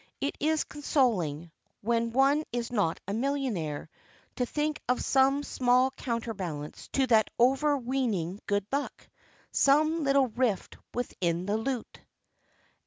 It is consoling when one is not a millionaire to think of some small counterbalance to that overweening good luck, some little rift within the lute.